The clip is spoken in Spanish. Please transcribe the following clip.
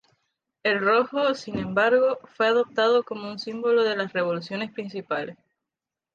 El rojo, sin embargo, fue adoptado como un símbolo de las revoluciones principales.